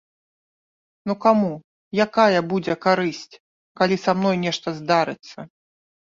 Ну каму якая будзе карысць, калі са мной нешта здарыцца.